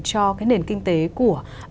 cho cái nền kinh tế của